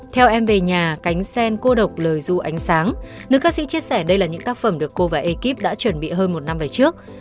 theo em về nhà cánh sen cô độc lời du ánh sáng nữ các sĩ chia sẻ đây là những tác phẩm được cô và ekip đã chuẩn bị hơn một năm về trước